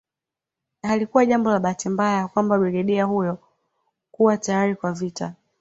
Halikuwa jambo la bahati mbaya kwamba brigedi hiyo kuwa tayari kwa vita